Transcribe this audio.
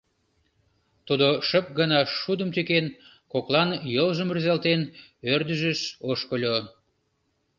Тудо шып гына шудым тӱкен, коклан йолжым рӱзалтен, ӧрдыжыш ошкыльо.